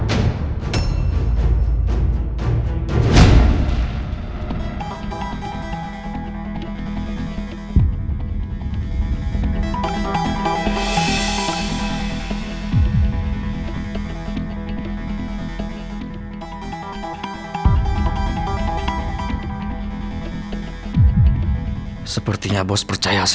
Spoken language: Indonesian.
kau mau supaya anjingnya tersisa